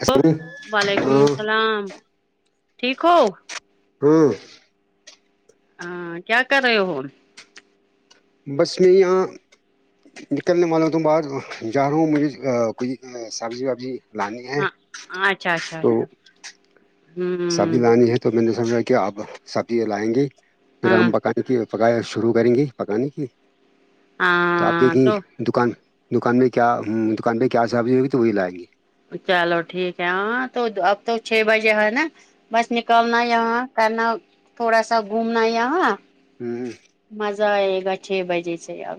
ہاں وعلیکم سلام ٹھیک ہو ہوں ہاں کیا کر رہے ہو ہو بس میں یہاں نکلنے والوں تو بعد جا رہا ہوں مری کوئی سبزی وبزی لانی ہے ہاں اچھا اچھا تو اچھا سبزی ہوں لانی ہے تو میں نے سوچا کہ آپ سبزی لائیں گے پھر ہاں ہمکان پکایا شروع کریں گے پکانے کی تو آپ ہاں دیکھیں تو گے دکان دکان میںہ کیا دکان پہ کیا سبزی ہوگی تو وہی لائیں گی چلو ٹھیک ہے ہاں تو اب تو چھ بجے ہے نا بس نکلنا یہاں کرنا تھوڑا سا گھومنا یہاں ہوں مزا ہے ایگا چھ بجے سے اب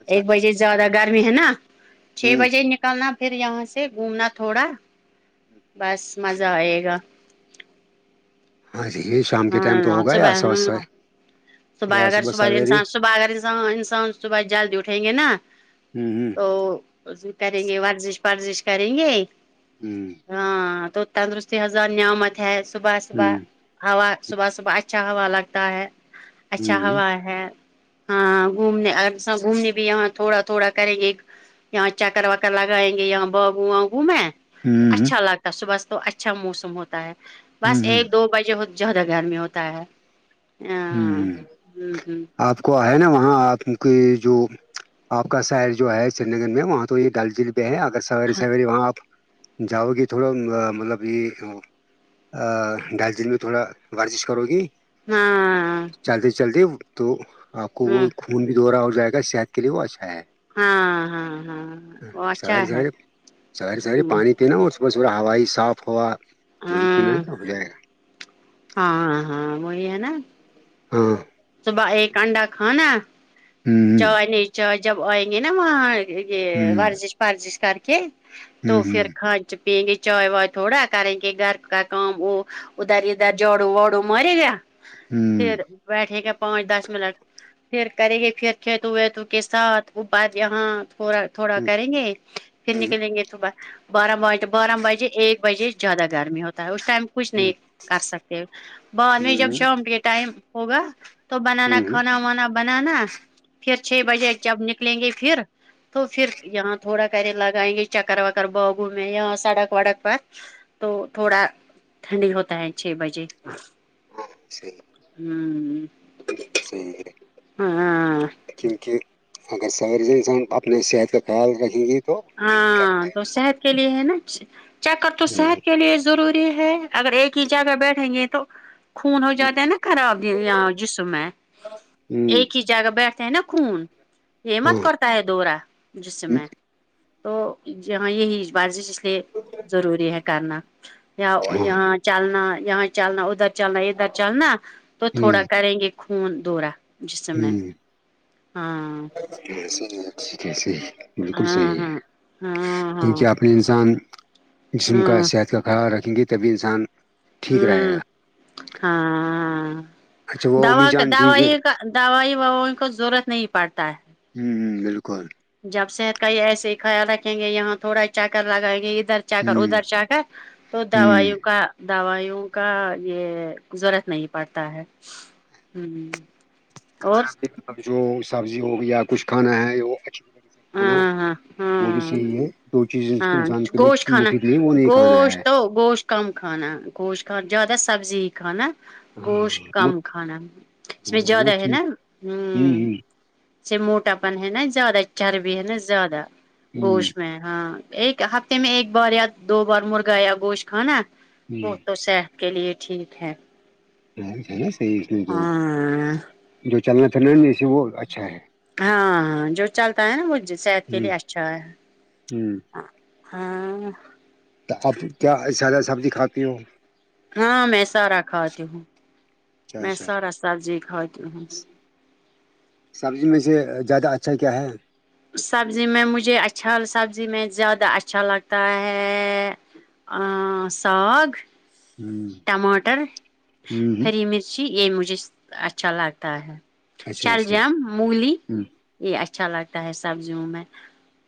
اچھا ایک اچھا بجے زیادہ گرمی ہے نا چھ ہ بجےک نکلنا پھر یہاں سے گھومنا تھوڑا بس مزہ آئے گا ہاں جی شام کے ہاں ٹائم تو ہم ہوگا ب یا صبح سے تو بہ یا اگار صبح ص بہ سویرے سج ص بہ اگار [unintelligible] انساں انسان صبح جلدی اٹھیں گے نا ہوں ہوں تو کریں گے ورزش ورزش کریں گے ہوں ہاں تو تندرستی حضار نعمت ہے صبح صبح ہ ہوا صبح صبح اچھا ہوا لگتا ہے اچھا ہوا ہے ہاں گھومنے گھومنے بھی یہاں تھوڑا تھوڑا کریں گے ایک یہاں چکر وکر لگائیں گے یہاں باگوا گو میں تو ہوں ہ اچھا لگتا صبح تو اچھا موسم ہوتا ہے بس ہ ایک دو بجے ہوتا جودہ گھر میں ہوتا ہے ہ ہوں آپ کو ہے نا وہاں آپ کی جو آپ کا شر جو ہے چنڈی گگرڑ میں وہاں تو یہ ڈال جل پہ ہے اگر سوے سو وہاں آپ جاؤگے تھڑا مطلب یہ ڈالچین میں تھوڑا ورزش کرو گی ہاں چلتے چلتے تو آپ کو ہاں وہ خون بھی دوہورا ہو جائے گا صحت کے لیے وہ اچھا ہے ہاں ہاں ہاں وہ اچھا سیر ہے سویرے سہیر سہاریے ہ پانی پینا اور چ پوورا ہوائی صف ہوا وہی پینا ہےب جائے گا ہاں ہاں ہاں وہ یہ ہے نا ہاں صبح ایک انڈا کھانا ہ چائے نی چائے جب آئیں گے نا وہاں یہ ہ ہ ورزش پرورزش کر کے ہ ہ ہ تو ہ پھر کان چ پینئن گ چائے وائے تھوڑا کر گ کہ گھر کام وہ ادھر ادھر جاڑو واڑو مارے گیا پھر بیٹھے گیا پانچ دس منٹ پھر کریں گے پھر کھیت ویتو کے ساتھ او بد یہاں تھوڑا تھوڑا کریں گے پھر نکلیں گے صبح بارہ ب بارہ بجے ایک بجے زیادہ گرمی ہوتا ہے اس ٹائم کچھ نہیں کر سکتے بعد ہ میں جب ہ شام کے ٹائم ہوگا تو بنانا ہ ہ کھانا وانا بنانا پھر چھ بجے جب نکلیں گے پھر تو پھر یہاں تھوڑا کرے لگائیں گے چکر وکر باگو میں یہاں سڑک وڑک پر تو تھوڑا ٹھنڈی ہوتا ہے چھ بجے ہاں سی ہوں بالکل صحیح ہے ہاں کیونکہ اگر سواری انسان اپنے صحت کا خیال رکھیں گے تو یہی کرنا ہاں ہے تو انسان صحت کے لیے ہے نا چیکر تو صحت کے لیے ضروری ہے اگر ایک ہی جہ بیٹھیں گے تو خون ہو جاتا ہے نا خراب یہاں جسم ہے ایک ہی جہ بیٹھتے ہیں نا خون یہ مت کرتا ہے دوورا جس میں تو یہ ہاں یہی بارزش ضروری ہے کرنا یہاں چلنا یہاں چلنا ادھر چلنا ادھر چلنا تو تھوڑا کریں گے خون دوورا جس میں ہاں کیسے ہی کیسے ہی بالکل ہاں صحیح ہے ہاں ہاں ہاں کیونکہ آپ ا انسان جسم کا ہاں صحت کا خیال رکھیں گے تبھی انسان ہ ٹھیک رہے گا ہاں اچھا د وہ امی کا جان د ٹھیک ہے یہ دوائی وائی کو ضرورت نہیں پڑتا ہے ہوں ہ بالکل جب صحت کا یہ ایسے ہی خیال رکھیں گے یہاں تھوڑا چکر لگائیں گے ادھر ہ چاکر ادھر ہ چا کرر تو دوائیوں کا دوائیوں کا یہ ضرورت نہیں پڑتا ہے ہوں اور کھانا پ جو سبزی ہوگی یا کچھ کھانا ہے وہ اچھی کھانا ہاں ہاں وہ بھی ہاں صحیح ہے چیز ہاں انسان کے لیے گوشت کھانا مفید نہیں وہ نہیں کھانا گوشت ہے تو گوش کم کھانا گوش خان زیادہ سبزی ہی کھانا گوشت ہاں وہ کم کھانا اس میں زیادہ وہ ہے نا ٹھیک ہوں ہ موٹا پن ہے نا زیادہ چربی ہے نا زیادہ ہ گوشت میں ہاں ایک ہفتے میں ایک بار یا دو بار مرغا یا گوشت کھانا ہ ہ وہتوں سے کے لیے ٹھیک ہے نا صحی اس میں جو ہاں جو چلنا تھا ن اسے وہ اچھا ہے ہاں ہاں جو چلتا ہے نا وہ صحت کے ہ لیے اچھا ہے ہ ہاں تو اب کیا زیادہ سبزی کھاتی ہوں ہاں میں سارا کھاتی ہوں اچھا میں اچھا سارا سبزی کھاتی ہوں سبزی میں سے زیادہ اچھا کیا ہے سبزی میں مجھے اچھا سبزی میں زیادہ اچھا لگتا ہے ساگ ہ ٹماٹر ہ ہری مرچ جی یہ مجھے اچھا لگتا ہے اچھا اچھا شالجام مولی ہ یہ اچھا لگتا ہے سبزیوں میں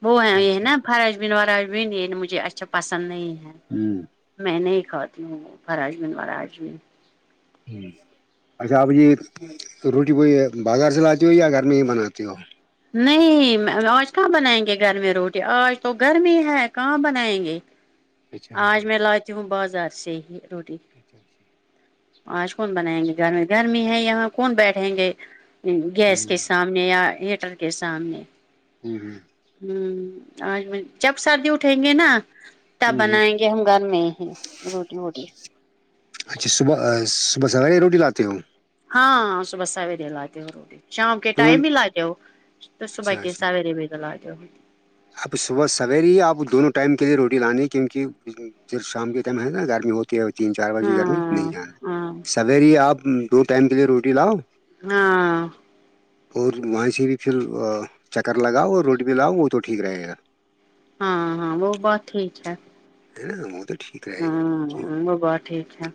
وہ ہے یہ اچھا نا فرش بین واراج بھی نہیں مجھے اچھا پسند نہیں ہے ہوں میں نہیں کھاتی ہوں وہ فراجمین وراجمین ہوں اچھا آپ یہ روٹی کو یہ بازار سے لاتی ہو یا گھر میں ہی بناتی ہو نہیں آج کہاں بنائیں گے گھر میں روٹی آج تو گرمی ہی ہے کہاں بنائیں گے اچھا آج میں اچھا لاتی ہوں بازار سے ہی روٹی اچھا اچھا آج کون بنائیں گے گرمی گرمی ہے یہاں کون بیٹھیں گے گیس ہوں کے سامنے یا ہیٹر کے سامنے ہوں ہ ہوں آج جب سردی اٹھیں گے نا تب ہوں ہوں بنائیں گے ہم گھر میں ہی روٹی ووٹی اچھا صبح صبح سزے روٹی لاتے ہو ہاں صبح سویری ل آاتتے ہو رہی شام کے دونوں ٹائم ہی لا جاؤ تو صبح کے سویرے بھی تو لا جاؤ اب صبح سویر ہی آپ دونوں ٹائم کے لیے روٹی لانی ہے کیونکہ پھر شام کے ٹائم ہے نا گرمی ہوتی ہے تین چار بجے کرنی نہیں ہاں جانا ہے ہاں سویر ہی آپ دو ٹائم کے لیے روٹی لاؤ ہاں اور وہیں سے بھی پھر چکر لگاؤ اور روڈ بھی لاؤ وہ تو ٹھیک رہے گا ہاں ہاں وہ بہت ہیٹیھ ہے ہے نا ٹھیک رہے گا کیونکہ ہوں وہ بت ٹھیک ہے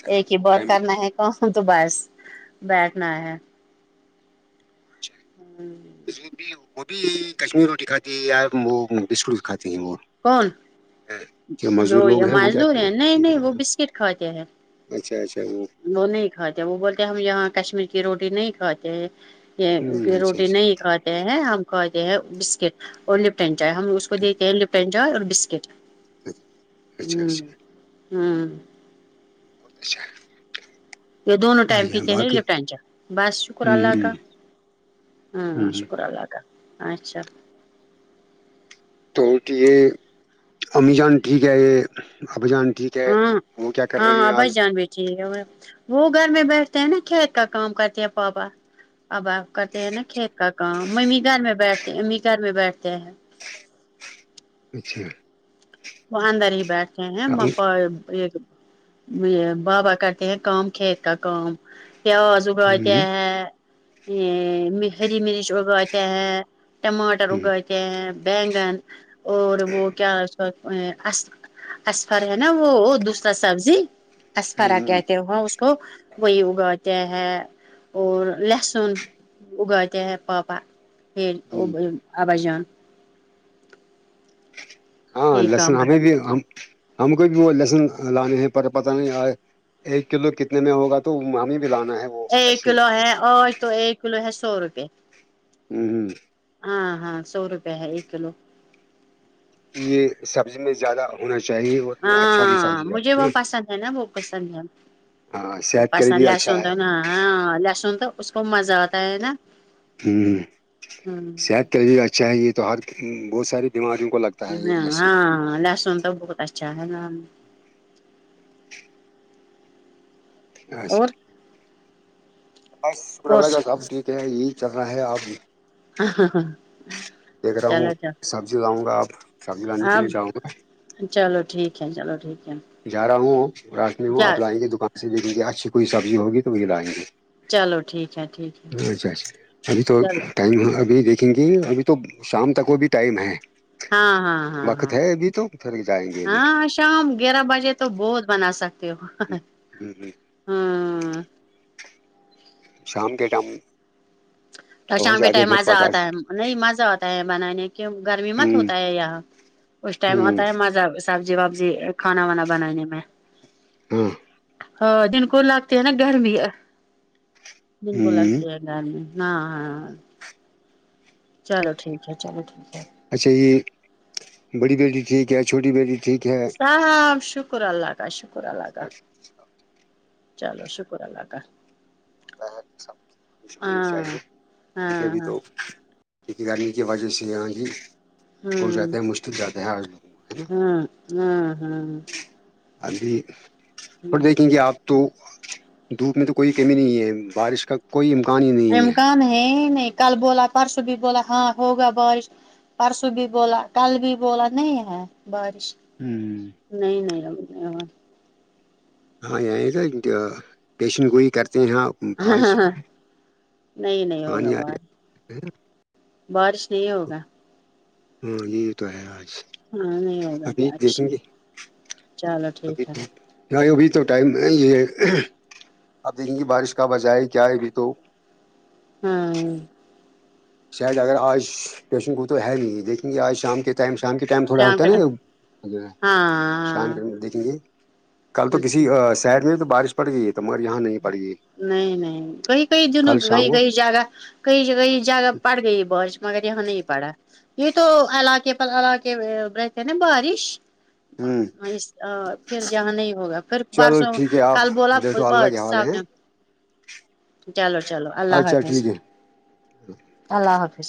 سویر ایک ہی دو بت ٹائم کرنا ہے ہ تو بس بیٹھنا ہے اچ بھی وہ بھی کشمیری روٹی کھاتی ہے یار وہ بسکٹ بھی کھاتی ہیں وہ کون مزدور جو یہ لوگ ہیں وہ کیا مزدور ہے کریں نہیں نہیں وہ بسکٹ کھاتے ہے اچھا اچھا وہ نہیں کھاتے وہ بولتے ہم یہاں کشمیر کی روٹی نہیں کھاتے ہیں یہ اچھا روٹی اچھا نہیں کھ ہیں ہم کھتے ہیں بسکٹ اور لپٹن چائے ہم اس کو دیتے ہیں لپٹ اور بسکٹ اچھا ہ ہوں بہت اچھا ہے یہ دونوں ٹائم پیتے نا ل ٹائنچا بس شکر اللہ باقی کا ہاں ہوں شکر اللہ کا اچھا توٹ یہ امی جان ٹھیک ہے یہ ابھی جان ٹھیک ہے ہاں وہ کیا کر رہے ہیں ہاں بھائی آج جان بیٹ جی وہ گھر میں بیٹھتے ہیں نا کھیت کا کام کرتے ہیں پاپا اب آپ کرتے ہیں نا اچھا کھیت کا کام ممی گھر میں بیٹھتے امی گھر میں بیٹھتے ہیں اچھا وہ اندر ہی بیٹھتے ہیں ایک یہ بابا کرتے ہیں کام کھیت کا کام پیاز اگواتے ہیں ا ہری مرچ اگواتے ہیں ٹماٹر اگاتے ہیں بیینگن اور وہ کیا اسفر ہے نا وہ دوسرا سبزی اسفرا کہتے ہو وہ اس کو وہی اگا ت ہے اور لہسن اگاتے ہیں پاپا پھر وہ آوا جان ہاں یہ لسن کام کر ہمیں بھی ہم کو بھی وہ لسن لانے ہیں پر پت نہیں آ ایک کلو کتنے میں ہوگا تو ہمیں بھی لانا ہے وہ ایک لہسن کلو ہے اورج تو ایک کلو ہے سو روپے ہوں ہوں ہاں ہاں سو روپئے ہے ایک کلو کہ یہ سبزی میں زیادہ ہونا چاہیے اور یہ اچھا بھی ہاں سبزی مجھے وہ ہے پسند ہے نا وہ پسند ہے ہاں صحت کے پاس لیے بھی اچھا لہسن تو ہے نا ہاں لہسن تو اس کو مزہ آتا ہے نا ہ ہ صحت کے لی اچھا ہے یہ تو ہر بہت ساری بیماریوں کو لگتا ہے یہ لہسن ہاں لہسن تو بہت اچھا ہے ن اور یکھے ب شکر اللہ کورس کا سب ٹھیک ہے یہی چل رہا ہے آپ بھی ہاں ہاں ہاں دیکھ رہا ہوں سبزی لاؤں گا آپ سبزی لانے کے اب لیے جاؤں گا چلو ٹھیک ہے چلو ٹھیک ہے جا رہا ہوں راشنی ہ اب کیا لائیں گے دکان سے دیک دیں گے اچھی کوئی سبزی ہوگی تو وہ لائیں گے چلو ٹھیک ہے ٹھیک ہے اچھا اچھا ابھی تو چلو ٹائم ابھی دیک تھنگنگ ابھی تو شام تک وہ بھی ٹائم ہے ہاں ہاں ہاں وقت ہاں ہے ابھی تو پھر جائیں گے ابھی ہاں شام گیارہ بجے تو بہت بنا سکتے ہو ہ ہ ہوں شام کے ٹائم تو ہو شام کے جاتے ٹائم پھر مزہ پکا آتا ہے نہیں مزہ آتا ہے بنانے کی گرمی ہ مت ہوتا ہے یہاں اس ٹائم ہ آتا ہے مزہ سبزی وبزی کھانا وانا بنانے میں ہاں ہاں جن کو لگتے ہیں نا گرمی جن ہ کو لگتے ہیں گرمی ہاںاں چلو ٹھیک ہے چلو ٹھیک ہے اچھا یہ بڑی بیٹی ٹھیک ہے چھوٹی بیٹی ٹھیک ہے ہاں ہ شکر اللہ کا شکر اللہ کا ہوتا چلو شکر اللہ کاال تا ہے سب ہونی ہاں چاہیے ان ہاں بھی ہاں تو ٹک کرانی کی وجہ سے ہاں جی ہو ہوں جاتے ہے مشکل جاتے ہیں آج لوگ ہاں ہوں ہوں ابھی تھوڑ دیکھیں گے آپ تو دھوپ میں تو کوئی کمی نہیں ہے بارش کا کوئی امکان ہی نہیں امکان ہے نہیں کل بولا پرسوں بھی بولا ہاں ہوگا بعش پرسوں بھی بولا کل بھی بولا نہیں ہے بارش ہوں نہیں نہیں ر ہاں یہ تو ٹیشن گوئی کرتے ہیں یہاں نہیں نہیں ہوگا پانی آ باہر جاتا ہے بارش نہیں ہوگا ہاں یہ تو ہے آج ہاں نہیں ہوگا ابھی بارش دیکھیں گے چلو ٹھیک ابھی ہے نہیں ابھی تو ٹائم ہے یہ اپ دیکیں گے بارش کا وجہ ہے کیا ہے ابھی تو ہاں شاید اگر آج پیشن کو تو ہےو ہی لیکن یہ آج شام کے ٹائم شام کے ٹائم تھوڑا شام ہوتا کے ٹائم ہے نا شام ہاں کے دیکھیں گے کل تو اچھا کسی شہڈ میں بھی تو بارش پڑ گئی ہے تو مگر یہاں نہیں پڑ گئی نہیں نہیں کئی کئی دنوں کل شام کہئی کو کئی جگہ کئیئی جگہ پڑ گئی بس مگر یہاں نہیں پڑا یہ تو علاقے پر علاقے رہتے نا بارش ہ پھر جہاں نہیں ہوگا پھر چلو بارسوں ٹھیک ہے آپ کل بولا دیکھو ب اللہ کے حوالے صاح ہیں نے چلو چلو اللہ اچھا حافظ ٹھیک ہے اللہ حافظ